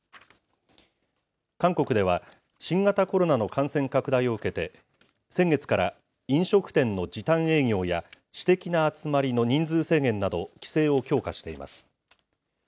韓国では、新型コロナの感染拡大を受けて、先月から飲食店の時短営業や、私的な集まりの人数制限など、規制を強化しています。